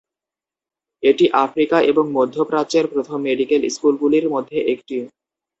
এটি আফ্রিকা ও মধ্য প্রাচ্যের প্রথম মেডিকেল স্কুলগুলির মধ্যে একটি।